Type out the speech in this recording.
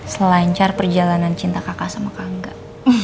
selancar perjalanan cinta kakak sama kakak